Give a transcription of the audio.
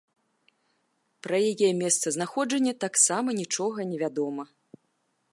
Пра яе месцазнаходжанне таксама нічога не вядома.